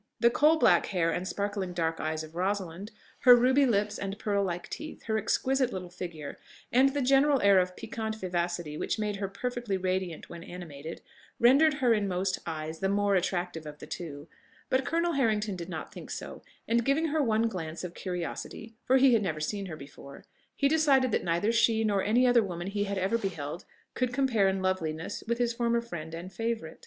The coal black hair and sparkling dark eyes of Rosalind, her ruby lips and pearl like teeth, her exquisite little figure, and the general air of piquant vivacity which made her perfectly radiant when animated, rendered her in most eyes the more attractive of the two; but Colonel Harrington did not think so; and giving her one glance of curiosity, for he had never seen her before, he decided, that neither she, nor any other woman he had ever beheld, could compare in loveliness with his former friend and favourite.